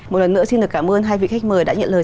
một lần nữa xin được cảm ơn hai vị khách mời đã nhận lời